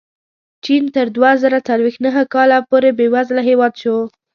چین تر دوه زره څلوېښت نهه کاله پورې بېوزله هېواد شو.